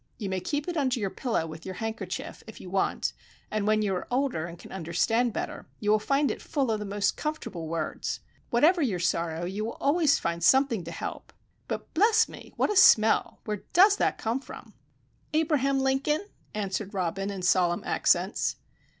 You may keep it under your pillow with your handkerchief, if you want; and when you are older and can understand better, you will find it full of the most comfortable words. Whatever your sorrow, you will always find something to help. But, bless me! What a smell! Where does it come from?" "Abraham Lincoln," answered Robin, in solemn accents.